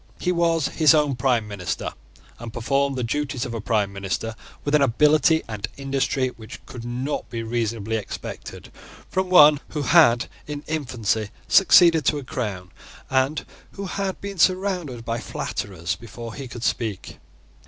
He was his own prime minister, and performed the duties of a prime minister with an ability and industry which could not be reasonably expected from one who had in infancy succeeded to a crown, and who had been surrounded by flatterers before he could speak.